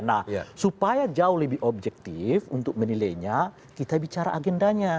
nah supaya jauh lebih objektif untuk menilainya kita bicara agendanya